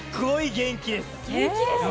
元気ですね。